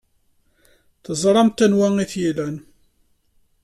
Teẓramt anwa ay t-ilan.